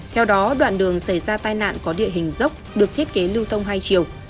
theo đó đoạn đường xảy ra tai nạn có địa hình dốc được thiết kế lưu thông hai chiều